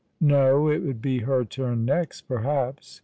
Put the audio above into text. "No; it would be her turn next, perhaps.